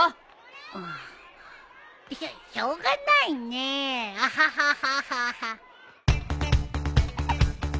しょしょうがないねえアハハハ。